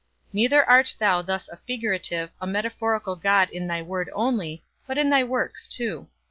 Neither art thou thus a figurative, a metaphorical God in thy word only, but in thy works too.